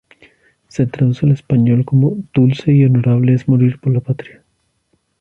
Se traduce al Español como: "Dulce y honorable es morir por la patria".